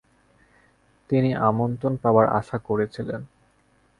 তিনি আমন্ত্রণ পাবার আশা করেছিলেন।